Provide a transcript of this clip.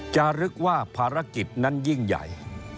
จะนึกว่าภารกิจนั้นยิ่งใหญ่